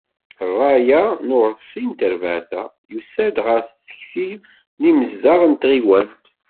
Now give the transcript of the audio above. Rray-a n ureṣṣi n tarbaεt-a, yiusa-d ɣef tekti n yimezdaɣ n tɣiwant.